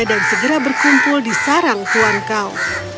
dan segera berkumpul di sarang tuhan kau